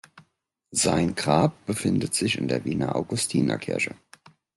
Sein Grab befindet sich in der Wiener Augustinerkirche.